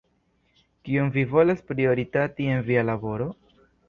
Kion vi volas prioritati en via laboro?